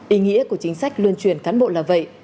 ý nghĩa của chính sách luân chuyển cán bộ là vậy